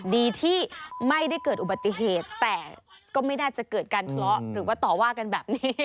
ดีที่ไม่ได้เกิดอุบัติเหตุแต่ก็ไม่น่าจะเกิดการทะเลาะหรือว่าต่อว่ากันแบบนี้